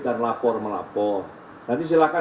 dan lapor melapor nanti silahkan